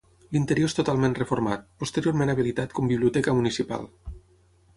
L'interior és totalment reformat, posteriorment habilitat com biblioteca municipal.